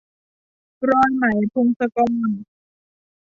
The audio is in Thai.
รอยไหม - พงศกร